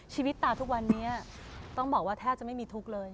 ชีวิตตาทุกวันนี้ต้องบอกว่าแทบจะไม่มีทุกข์เลย